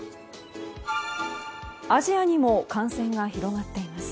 アジアにも感染が広がっています。